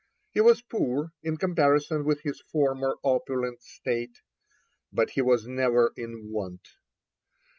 He was poor, in comparison with his former opulent estate, but he was never in want.